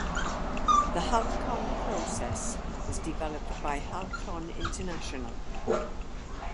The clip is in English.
The Halcon process was developed by Halcon International.